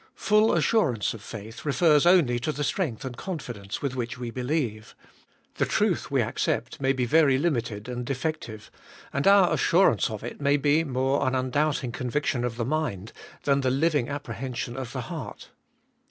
Full assurance of faith refers only to the strength and confidence with which we believe. The truth we accept may be very limited and defective, and our assurance of it may be more an undoubting conviction of the mind than the living apprehension of the heart.